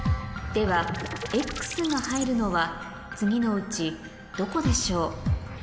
ではＸが入るのは次のうちどこでしょう？